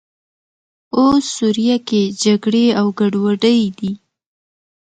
اوس سوریه کې جګړې او ګډوډۍ دي.